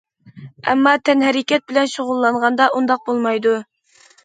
ئەمما تەنھەرىكەت بىلەن شۇغۇللانغاندا ئۇنداق بولمايدۇ.